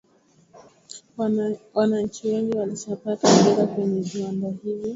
Wananchi wengi walishapata ajira kwenye viwanda hivi